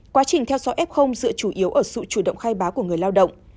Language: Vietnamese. quá trình theo dõi f dựa chủ yếu ở sự chủ động khai báo của người lao động